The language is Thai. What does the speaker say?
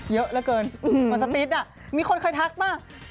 เยอะเหลือเกินมันสติ๊ดอ่ะมีคนได้คุยถักป่าว